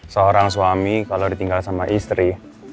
seorang suami kalau ditinggal sama istri